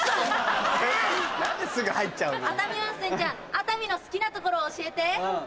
熱海の好きなところ教えて？